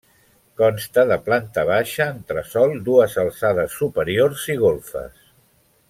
Consta de planta baixa, entresòl, dues alçades superiors i golfes.